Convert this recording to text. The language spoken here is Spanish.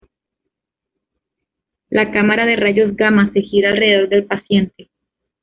La cámara de rayos gamma se gira alrededor del paciente.